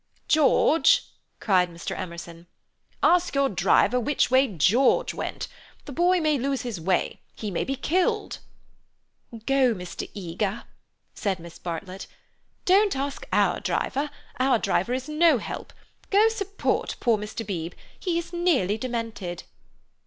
"George!" cried Mr. Emerson. "Ask your driver which way George went. The boy may lose his way. He may be killed." "Go, Mr. Eager," said Miss Bartlett, "don't ask our driver; our driver is no help. Go and support poor Mr. Beebe—, he is nearly demented."